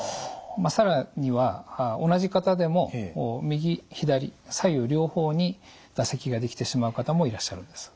更には同じ方でも右左左右両方に唾石ができてしまう方もいらっしゃるんです。